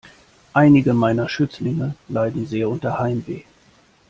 Einige meiner Schützlinge leiden sehr unter Heimweh.